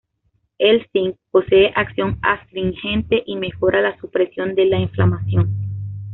El zinc posee acción astringente y mejora la supresión de la inflamación.